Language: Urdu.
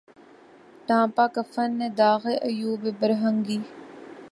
ڈھانپا کفن نے داغِ عیوبِ برہنگی